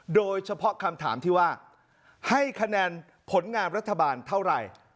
โดยเฉพาะคำถามที่ว่าให้คะแนนผลงานรัฐบาลเท่าไหร่